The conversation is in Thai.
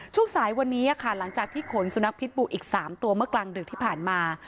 ช่วงสายวันนี้ค่ะหลังจากที่ขนสุนัขพิษบูอีก๓ตัวเมื่อกลางดึกที่ผ่านมา